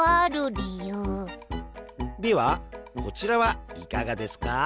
ではこちらはいかがですか？